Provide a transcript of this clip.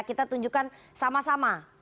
kita tunjukkan sama sama